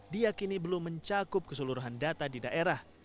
diakini belum mencakup keseluruhan data di daerah